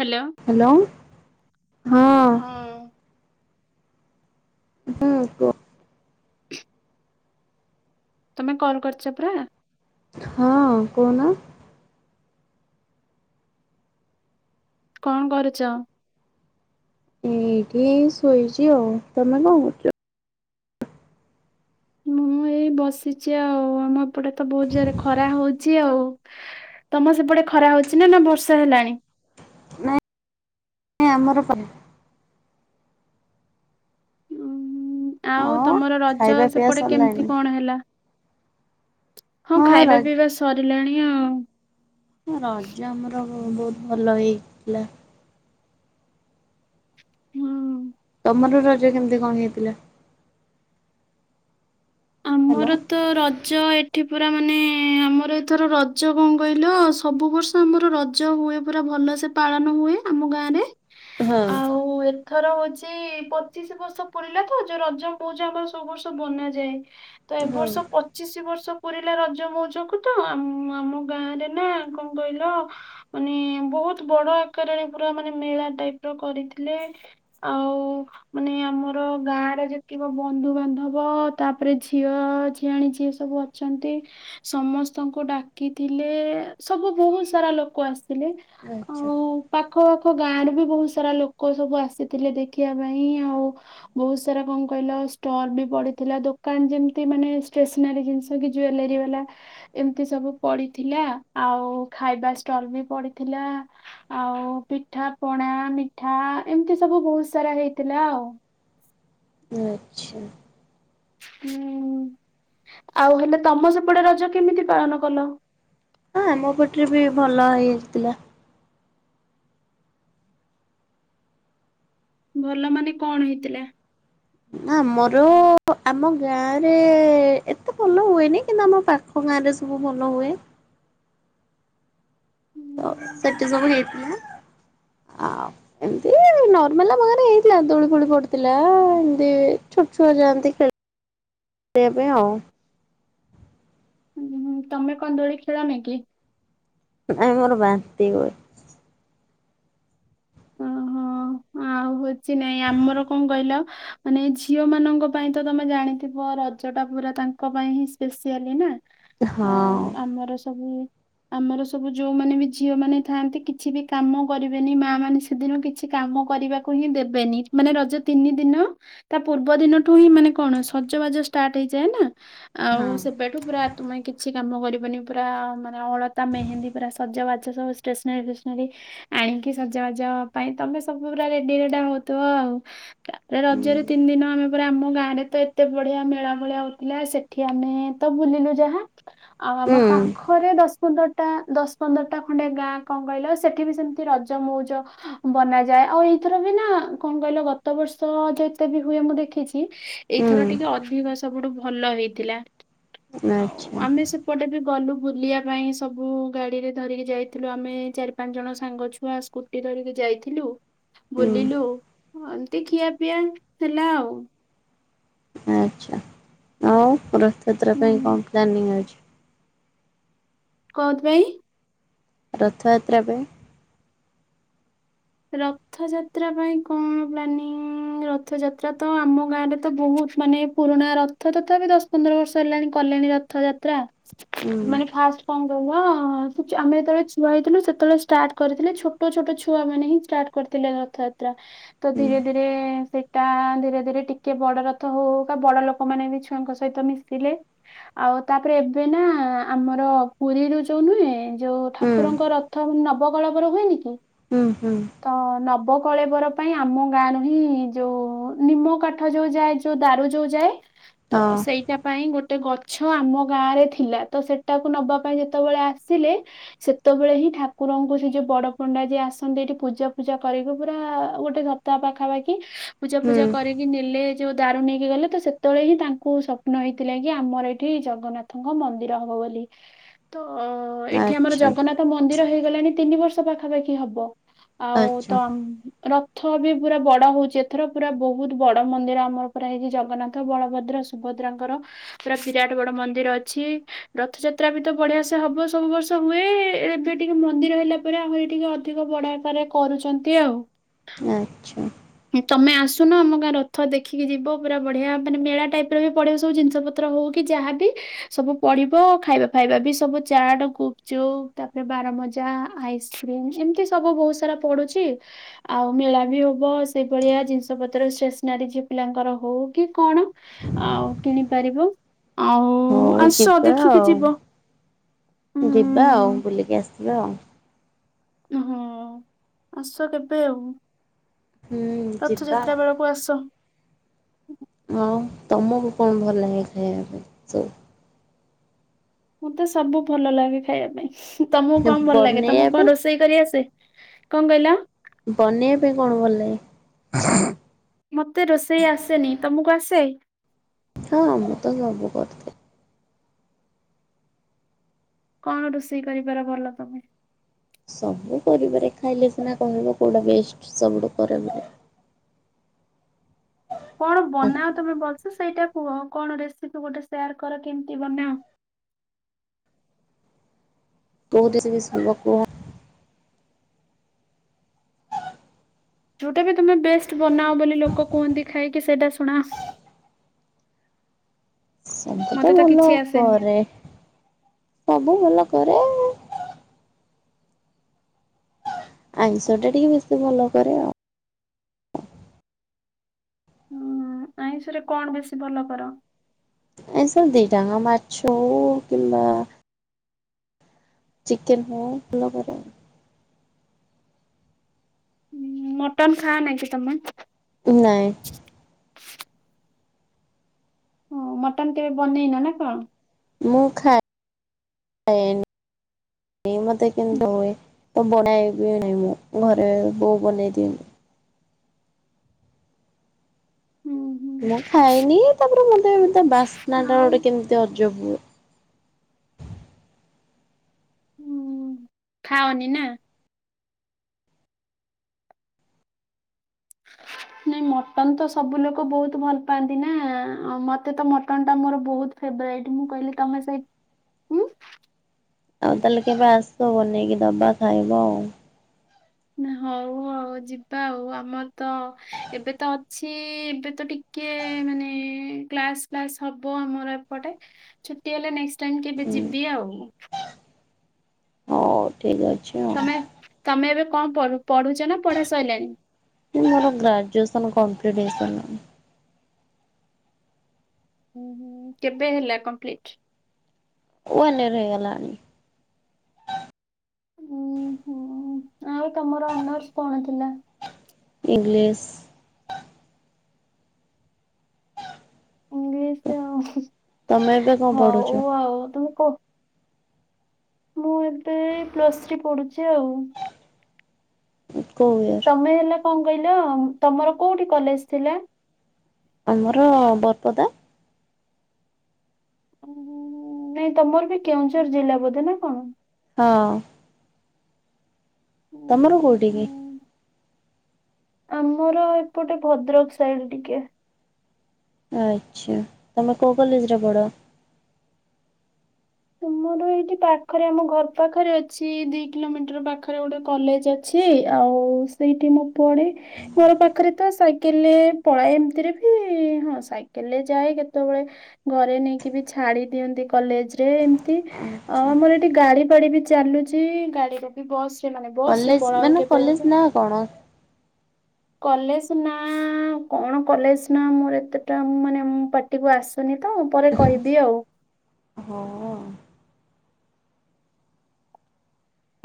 Hello. Hello ହଁ। ହଁ କୁହ। ତମେ କଲ କରିଚ ପରା। ହଁ କହୁନ? କଣ କରୁଚ? ଏଇଠି ଶୋଇଛି ଆଉ ତମେ କଣ କରୁଛ। ମୁଁ ଏଇ ବସିଛି ଆଉ ଆମ। ଏପଟେ ତ ବହୁତ ଜୋରେ ଖରା ହଉଛି। ବସିଛି ଆଉ ତମ ସେପଟେ ଖରା ହଉଛି ନା ନା ବର୍ଷା ହେଲାଣି। ଏ ଆମର ଫନି ଉଁ, ଆଉ ତମର ରଜ ଖାଇବା ପିଇବା ସେପଟେ କେମିତି ସରିଲାଣି କଣ ହେଲା। ହଁ ଖାଇବାପିଇବା ସରୀ ଫୁଲାଣିଆ ଆଉ ହଁ ରଜ ଆମର। ହଁ ବହୁତ ଭଲ ହେଇଥିଲା। ହୁଁ। ଆମର ରଜ କେମିତି କଣ ହେଇଥିଲା? ହ୍ୟାଲୋ ଆମରତ ରଜ ଏଠି। ଏଠି ପୁରାମାନେ ଆମର ଏଥର ରଜ କଣ କହିଲ ସବୁ ବର୍ଷ ଆମର ରଜ ହୁଏ ପୁରା ଭଲ ସେ ପାଳନ ହୁଏ ଆମ ଗାଁରେ। ହଁ। ଆଉ ଏଥର ହଉଛି ପଚିଶିବର୍ଷ ପୁରିଲାତ ଯୋଉ ରଜ ମଉଜ ସବୁ ବର୍ଷ ବନାଯାଏ। ତ ହଁ ଏବର୍ଷ ପଚିଶିବର୍ଷ ପୁରିଲା ରଜ ମଉଜକୁ ତ ଆମ ଗାଁରେ ନା କଣ କହିଲ ମାନେ ବହୁତ ବଡଆକାରରେ ପୁରା ମାନେ ମେଳା ଟାଇପର କରିଥିଲେ ଆଉ ମାନେ ଆମର ଗାଁରେ ଯେତିକ ବନ୍ଧୁ ବାନ୍ଧବ ତା। ତାପରେ ଝିଅ ଝିଆଣୀ ଯିଏ ସବୁ ଅଛନ୍ତି ସମସ୍ତଙ୍କୁ ଡାକିଥିଲେ ସବୁବହୁତ ସାରା ଲୋକ ଆସିଥିଲେ। ହେଲେ ଆଚ୍ଛା ଆଉ ପାଖ ଗାଁରୁବି ବହୁତ ସାରା ଲୋକ ସବୁ ଆସିଥିଲେ ଦେଖିବାପାଇଁ ଆଉ ବହୁତସାରା କଣ କହିଲ ଷ୍ଟଲ ବି ପଡିଥିଲା ଦୋକା। କଣ ଯେମିତି ମାନେ ଟେସନାରୀ ଜିନିଷ କି ଜୁଏଲାରୀବାଲା ଏମିତି ସବୁ ପଡିଥିଲା ଆଉ ଖାଇବା ଷ୍ଟଲ ବି ପଡିଥିଲା ଆଉ ପିଠା ପଣା ମିଠା ଏମିତି ସବୁ ବହୁତ ସାରା ହେଇଥିଲା ଆଉ। ଆଚ୍ଛା। ହୁଁ ଆଉ ହେଲେ ତମସେପଟେ ରଜ କେମିତି ପାଳନକଲ। ହଁ ଆମ ପଟରେବି ଭଲ ହେଇଆସିଥିଲା। ଭଲମାନେ କଣ ହେଇଥିଲା। ଆମର ଆମଗାଁରେ ଏତେଭଲ ହୁଏନି କିନ୍ତୁ ଆମ ପାଖଗାଁରେ ସବୁ ଭଲ ହୁଏ। ସେଠି ସବୁ ହେଇଥିଲା ଆ ଏମତି ନର୍ମାଲମଖରେ ହେଇଥିଲା ଦୋଳି ଫୋଳି ପଡିଥିଲା ଏମତି ଛୋଟ ଛୁଆ ଯାଆନ୍ତି ଖେ ଖେଳ ପାଇଁ ଆଉ। ହୁଁ ତମେ କନ୍ ଦୋଳି ଖେଳନି କି? ନାଇ ମୋର ବାନ୍ତି ହୁଏ। ଓହୋ ଆଉ ହଉଛି ନାଇଁ ଆମର କଣ କହିଲ ମାନେ ଝିଅ ମାନଙ୍କ ପାଇଁ ତ ତମେ ଜାଣିଥିବ ରଜ ଟା ପୁରା ତାଙ୍କ ପାଇଁ ହିଁ ସ୍ପେସିଆଲି। ହଁ। ଆଉ ଆମର ସବୁ ଆମର ସବୁ ଯୋଉମାନେ ବି ଝିଅ ମାନେ ଥାଆନ୍ତି କିଛି ବି କାମ କରିବେନି ମା ମାନେ ସେଦିନ କିଛି କାମ କରିବାକୁ ହିଁ ଦେବେନି ମାନେ ରଜ ତିନି ଦିନ ତା ପୂର୍ବ ଦିନଠୁ ହିଁ ମାନେ କଣ ସଜବାଜ ଷ୍ଟାର୍ଟ ହେଇଯାଏ ନା ହଁ ଆଉ ସେବେଠୁ ପୁର ତୁମେ କିଛି କାମ କରିବନି ପୁରା ମାନେ ଅଳତା ମେହେନ୍ଦୀ ପୁରା ସଜବାଜ ସବୁ ଷ୍ଟେସନାରୀ ଫେସନାରୀ ଆଣିକି ସଜବାଜ ଯ ପାଇଁ ତମେ ସବୁ ପୁରା ରେଡି ରେଟା ହଉଥିବ ଆଉ। ହୁଁ ରଜରେ ତିନି ଦିନ ଆମେ ପ ଆମ ଗାଁ ରେ ତ ଏତେ ବଢିଆ ମେଳା ଭଳିଆ ହଉଥିଲା ସେଠି ଆମେ ତ ବୁଲିଲୁ ଯାହା। ଆଉ ଆମ ହୁଁ ପାଖରେ ଦଶ ପନ୍ଦରଟା ଦଶ ପନ୍ଦରଟା ଖଣ୍ଡେ ଗାଁ କଣ କହିଲ ସେଠି ବି ସେମିତି ରଜ ମଉଜ ବନାଯାଏ ଆଉ ଏଇଥର ବି ନା କଣ କହିଲ ଗତ ବର୍ଷ ଯେତେ ବି ହୁଏ ମୁଁ ଦେଖିଛି। ଏଇଥର ଟିକେ ହୁଁ ଅଭିବାସ ସବୁଠୁ ଭଲ ହେଇଥିଲା। ଆଉ ଆଚ୍ଛା ଆମେ ସେପଟେ ବି ଗଲୁ ବୁଲିବା ପାଇଁ ସବୁ ଗାଡିରେ ଧରିକି ଯାଇଥିଲୁ ଆମେ ଚାରି ପାଞ୍ଚ ଜଣ ସାଙ୍ଗ ଛୁଆ ସ୍କୁଲ ିକି ଯାଇଥିଲୁ ହୁଁ ବୁଲିଲୁ ଏମିତି ଖିଆ ପିଆ ହେଲା ଆଉ। ଆଚ୍ଛା ଆଉ। ସେଥିର ହୁଁ ପାଇଁ କଣ ପ୍ଲାନିଂ ଅଛି। କହୁଥି ଭାଇ। ରଥଯାତ୍ରା ପାଇଁ। ରଥଯାତ୍ରା ପାଇଁ କଣ ପ୍ଲାନିଂ ରଥଯାତ୍ରା ତ ଆମ ଗାଁରେ ତ ବହୁତ ମାନେ ପୁରୁଣା ରଥ ତଥା ବି ଦଶ ପନ୍ଦର ବର୍ଷ ହେଲାଣି କଲେଣି ରଥଯାତ୍ରା। ହୁଁ ମାନେ ଫାଷ୍ଟ କଣ? ବା ଆମେ ଯେତେବେଳେ ଛୁଆ ହେଇଥିଲୁ ସେତେବେଳେ ଷ୍ଟାର୍ଟ କରିଥିଲେ ଛୋଟ ଛୋଟ ଛୁଆ ମାନେ ହିଁ। ଷ୍ଟାର୍ଟ କରିଥିଲେ ରଥଯାତ୍ରା ତ ହୁଁ ଧୀରେ ଧୀରେ ସେ ତା ଧୀରେ ଧୀରେ ଟିକେ ବଡ ରଥ ହଉ କ ବଡ ଲୋକ ମାନ ବି ଛୁଆଙ୍କ ସହିତ ମିଶିଲେ ଆଉ ତାପରେ ଏବେ ନା ଆମର ପୁରୀରୁ ଯୋଉ ନୁହେଁ। ଯୋଉ ହୁଁ ଠାକୁରଙ୍କ ରଥ ନ ନବକଳେବର ହୁଏନି ହୁଁ ହୁଁ ତ ନବୁ କଳେ ବର ପାଇଁ ଆମ ଗାଁ ର ହିଁ ଯୋଉ ନିମ କାଠ ଯୋଉ ଯାଏ ଯୋଉ ଦାରୁ ଯୋଉ ଯାଏ ତ ହଁ ସେଇଟା ପାଇଁ ଗୋଟେ ଗଛ ଆମ ଗାଁ ରେ ଥିଲା ତ ସେଟାକୁ ନବା ପାଇଁ ଯେତେବେଳେ ଆସିଲେ ସେତେବେଳେ ହିଁ ଠାକୁରଙ୍କୁ ସେ ଯୋଉ ବଡ ପଣ୍ଡା ଯିଏ ଆସନ୍ତି ଏ ପୂଜା ପୂଜା କରିକି ପୁରା ଗୋଟେ ସପ୍ତାହ ପାଖାପାଖି ପୂଜା ହୁଁ ପୂଜା କରିକି ନେଲେ। ଯୋଉ ଦାରୁ ନେଇକି ଗଲେ ତ ସେତେବେଳେ ହିଁ ତାଙ୍କୁ ସ୍ୱପ୍ନ ହେଇଥିଲା କି ଆମର ଏଇଠି ଜଗନ୍ନାଥଙ୍କ ମନ୍ଦିର ହବ ବୋଲି ତ। ଅ ଏଠି ଆମର ଆଚ୍ଛା ଜଗନ୍ନାଥ ମନ୍ଦିର ହେଇ। ଇ ଗଲାଣି ତିନି ବର୍ଷ ପାଖାପାଖି ହବ। ଆଉ ତ ଆଚ୍ଛା। ଆମ। ରଥ ବି ପୁରା ବଡ ହଉଛି ଏଥର ପୁରା ବହୁତ ବଡ ମନ୍ଦିର ଆମର ପୁରା ହେଇଛି ଜଗନ୍ନାଥ ବଳଭଦ୍ର ସୁଭଦ୍ରାଙ୍କର ପୁରା ବିରାଟ ବଡ ମନ୍ଦିର ଅଛି ରଥଯାତ୍ରା ବି ତ ବଢିଆ ସେ ହବ ସବୁ ବର୍ଷ ହୁଏ ଏବେ ଟିକେ ମନ୍ଦିର ହେଲା ପରେ ଆହୁରି ଟିକେ ଅଧିକ ବଡ ଆକାର ରେ କରୁଛନ୍ତି ଆଉ। ଆଚ୍ଛା। ସୁନ ଆମ ଗାଁ ରଥ ଦେଖିକି ଯିବ ପୁରା ବଢିଆ ମାନେ ମେଳା ଟାଇପ ର ବି ପଡିବ ସବୁ ଜିନିଷ ପତ୍ର ହଉ କି ଯାହାବି ସବୁ ପଡିବ ଖାଇବା ଫାଇବା ବି ସବୁ ଚାଟ ଗୁପ ଚୁପ୍ ତାପରେ ବାରମଜା ଆଇସ୍କ୍ରିମ୍ ଏମିତି। ସବୁ ବହୁତ ସାରା ପଡୁଛି ଆଉ ମେଳା ବି ହବ ସେଇଭଳିଆ ଜିନିଷ ପତ୍ର ଷ୍ଟେସନାରୀ ଝିଅ ପିଲାଙ୍କର ହଉ କି କଣ ଆଉ କିଣିପାରିବ। ଆଉ ହଉ ଆସ ଯିବା ଦେଖିକି ଯିବ ଉଁ ଆଉ ଯିବା ଆଉ ବୁଲିକି ଆସିବା ଆଉ। ହଁ ଆସ କେବେ ଆଉ। ହୁଁ ଯିବା ରଥଯାତ୍ରା ବେଳକୁ ଆସ। ହଁ ତମକୁ କଣ ଭଲ ଲାଗେ ଖାଇବା ପାଇଁ ସବୁ। ମତେ ସବୁ ଭଲ ଲାଗେ ଖାଇବା ପାଇଁ। ତମକୁ ନା କଣ ଭଲ ଲାଗେ ତମକୁ ବନେଇବା କଣ ପାଇଁ ରୋଷେଇ କରି ଆସେ। କଣ କହିଲ। ବନେଇବା ପାଇଁ କଣ ଭଲ ଲାଗେ। ମତେ ରୋଷେଇ ଆସେନି ତମକୁ ଆସେ। ହଁ ମୁଁ ତ ସବୁ କରିଦିଏ। କଣ ରୋଷେଇ କରିବାର ଭଲ ତମେ। ସବୁ କରିବାରେ ଖାଇଲେ ସିନା କହିବ କୋଉଟା ବେଷ୍ଟ ସବୁଠୁ କରିବାରେ। କଣ ଆଉ ବନାଅ ତମେ ଭଲ ସେ ସେଇଟା- କୁହ କଣ ରେସିପି ଗୋଟେ ସେୟାର କର କେମିତି ବନାଅ। କଉ ରେସିପି ଶୁଣିବ କୁହ। ଯୋଉଟା ବି ତମେ ବେଷ୍ଟ ବନାଅ ବୋଲି ଲୋକ କୁହନ୍ତି ଖାଇକି ସେଇଟା ଶୁଣାଅ ସବୁ ତ ମତେ ଭଲ କିଛି ଆସେନି। କରେ ସବୁ ଭଲ। [unintelligible] ଆଇଁଷ ଟା ଟିକେ ବେଶୀ ଭଲ କରେ ଆଉ। ହଁ ଆଇଁଷରେ କଣ ବେଶୀ ଭଲ କର? ଆଇଁଷ ଦି ଟା ଯାଙ୍କ ମାଛ ହଉ କିମ୍ବା। ଚିକେନ ହଉ ଭଲ କରେ ଆଉ। ମଟନ ଖାଅ ନାଇଁ କି ତମେ? ନାଇ। [unintelligible] ହ ମଟନ କେବେ ବନେଇନ ନା କଣ? ମୁଁ ଖା ଏନି ମୋତେ କିନ୍ତୁ ହୁଏ ତ ବନାଇବି ନାହିଁ ମୁଁ ଘରେ ବୋଉ ବନେଇ ଦିଅନ୍ତିି। ହୁଁ ହୁଁ ମୁଁ ଖାଇନି ତାପରେ ମତେ ତା ବାସ୍ନା ଟା ଆଉ ଗୋଟେ କେମିତି ଅଜବ ହୁଏ। ହୁଁ ଖାଅନି ନା। ନାଇଁ ମଟନ ତ ସବୁ ଲୋକ ବହୁତ ଭଲ ପାଆନ୍ତି ନା ମତେ ତ ମଟନ ଟା ମୋର ବହୁତ ଫେବରେଟ ମୁଁ କହିଲି ତମେ ସେଇ ହୁଁ। ଆଉ ତାଲେ କେବେ ଆସ ବନେଇକି ଦବା ଖାଇବ ଆଉ। ହଉ ହଉ ଯିବା ଆଉ ଆମ ତ ଏବେ ତ ଅଛି ଏବେ ତ ଟିକେ ମାନେ କ୍ଲାସ ଫ୍ଲାସ ହବ ଆମର ଏପଟେ ଛୁଟି ହେଲେ ଫେଣ୍ଡ କେବେ ହୁଁ। ଯିବି ଆଉ। ହଉ ଠିକ ଅଛି ଆଉ ତମେ ହେତମେ ଏବେ କଁଅ କରୁ ପଢୁଚନା ପଢା ସଇଲାଣିି। ସନ କମ୍ପ୍ଲିଟ ହୋଇସାଇଲାଣି। [unintelligible] ହୁଁ ହୁଁ କେବେ ହେଲା କମ୍ପ୍ଲିଟ। ୱା ନେରେ ଏଇଗଲା। ଉ ହୁଁ ଆଉ ତମର ଅନର୍ସ କଣ ଥିଲା? ଇଂଲିଶ। ଇଂଲିଶ। [unintelligible] ତମେ ଏବେ କଣ ପଡୁଛ? ଓ ମୁଁ ଏବେ ପ୍ଲୁସ ଥ୍ରୀ ପଡୁଚି ଆଉ। କୋଉ ଇୟର? ତମେ ହେଲେ କଣ କଇ ଲୋ ତମର କୋଉଠି କଲେଜ ଥିଲା? ଆମର ବରପଦା। ନାଇଁ ତମର ବି କେଉଁଝର ଜିଲ୍ଲା ବୋଧେ ନା କଣ? ହଁଅ। ଉଁ, ତମର ହୁଁ, କୋଉଟିକି? ହୁଁ। ଆମର ଏପଟେ ଭଦ୍ରକ ସାଇଡ ଟିକେ। ଆଚ୍ଛା ତମେ କୋଉ କଲେଜରେ ପଡ ଅ? ତମର ଏଇଠି ପାଖରେ ଆମ ଘର ପାଖରେ ଅଛି ଦି କିଲୋମିଟର ପାଖରେ ଗୋଟେ କଲେଜ ଅଛି ଆଉ ସେଇଠି ମୁଁ ପଢେ ଘର ପାଖରେ ତ ସାଇକେଲରେ ପଳାଏ ଏମିତିରେ ବି ହଁ ସାଇକେଲରେ ଯାଏ କେତେବେଳେ ଘରେ ନେଇକି ବି ଛାଡି ଦିଅନ୍ତି କଲେଜ। ଜ ଏମତି ଆ ଆଚ୍ଛା ଆମର ଏଠି ଗାଡି ପାଡି ବି ଚାଲୁଛି ଗାଡିରେ ବି ବସ୍ କଲେଜ ମାନେ କଲେଜ ନା କଣ? କଲେଜ ନା ଆ କଣ କଲେଜ ନା ମୋର ଏତେଟା ମାନେ ପାଟିକୁ ଆସୁନି? ତା ଉପରେ କହିବି ଆଉ। ହଁ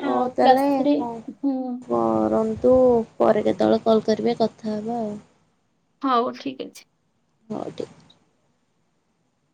ହ ଆଉ ପ୍ଲସ୍ ତାଲେ ଥ୍ରୀ କ ଅଂ ହୁଁ କର। ତୁ ପରେ କେତେବେଳେ କଲ୍ କରିବେକଥା ହେବା ଆଉ। ହଉ ଠିକ ଅଛି। ହଉ ଟିକ ଅଚୀ।